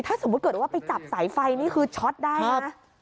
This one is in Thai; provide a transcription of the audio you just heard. ถ้าสมมุติเกิดว่าไปจับสายไฟนี่คือช็อตได้นะ